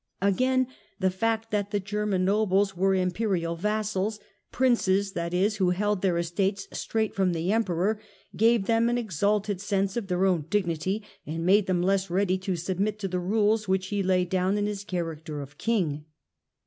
Again the fact that the German nobles were Imperial vassals, Princes, that is, who held their estates straight from the Emperor, gave them an exalted sense of their own dignity and made them less ready to submit to the rules which he laid down in his character of King.